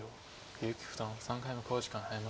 結城九段３回目の考慮時間に入りました。